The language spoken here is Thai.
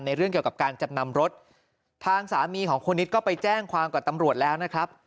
เรื่องเกี่ยวกับการจำนำรถทางสามีของครูนิดก็ไปแจ้งความกับตำรวจแล้วนะครับ